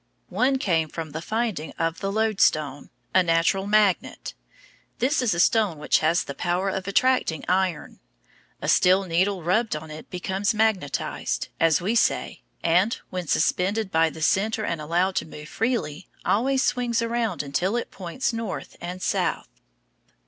One came from the finding of the loadstone, or natural magnet. This is a stone which has the power of attracting iron. A steel needle rubbed on it becomes magnetized, as we say, and, when suspended by the center and allowed to move freely, always swings around until it points north and south.